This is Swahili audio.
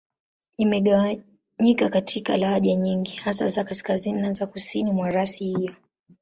Imegawanyika katika lahaja nyingi, hasa za Kaskazini na za Kusini mwa rasi hiyo.